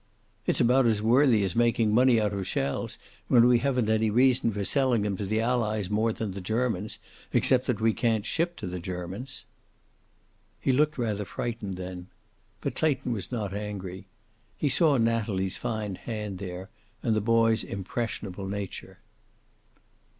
"It's about as worthy as making money out of shells, when we haven't any reason for selling them to the Allies more than the Germans, except that we can't ship to the Germans." He looked rather frightened then. But Clayton was not angry. He saw Natalie's fine hand there, and the boy's impressionable nature.